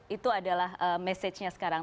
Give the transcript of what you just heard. itu adalah message nya sekarang